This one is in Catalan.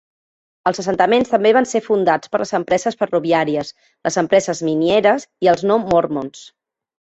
Els assentaments també van ser fundats per les empreses ferroviàries, les empreses minieres i els no mormons.